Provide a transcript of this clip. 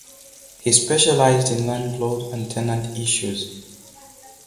He specialised in landlord and tenant issues.